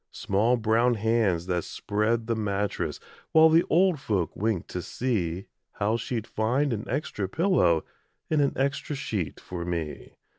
Small brown hands that spread the mattress While the old folk winked to see How she'd find an extra pillow And an extra sheet for me.